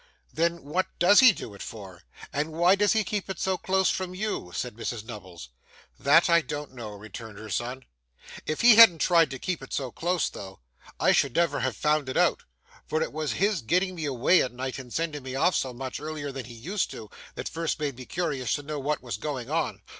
'Then what does he do it for, and why does he keep it so close from you?' said Mrs Nubbles. 'That I don't know,' returned her son. 'If he hadn't tried to keep it so close though, I should never have found it out, for it was his getting me away at night and sending me off so much earlier than he used to, that first made me curious to know what was going on.